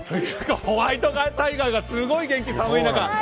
ホワイトタイガーがすごい元気、寒い中。